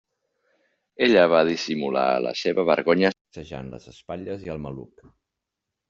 Ella va dissimular la seva vergonya sacsejant les espatlles i el maluc.